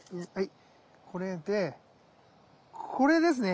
これでこれですね？